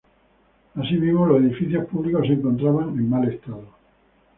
Asimismo, los edificios públicos se encontraban en mal estado.